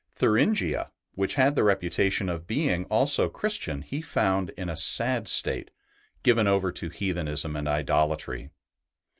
Thuringia, which had the reputation of being also Christian, he found in a sad state, given over to heathenism and idolatry.